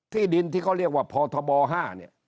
ที่ดินที่เขาเรียกว่าพบ๕เนี่ย